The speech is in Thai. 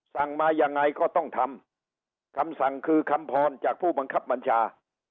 สั่งมายังไงก็ต้องทำคำสั่งคือคำพรจากผู้บังคับบัญชา